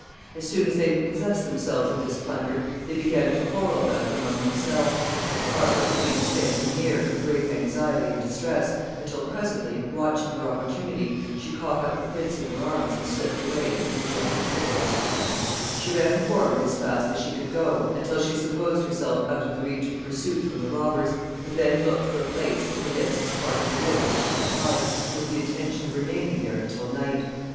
As soon as they had possessed themselves of this plunder they began to quarrel about it among themselves. Margaret remained standing near, in great anxiety and distress, until presently, watching her opportunity, she caught up the prince in her arms and slipped away into the adjoining thickets. [Sidenote: Alone in the woods.] She ran forward as fast as she could go until she supposed herself out of the reach of pursuit from the robbers, and then looked for a place in the densest part of the wood where she could hide, with the intention of remaining there until night.